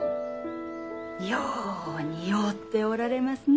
よう似合うておられますね。